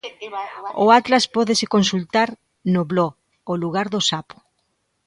O atlas pódese consultar no blog "O lugar do sapo".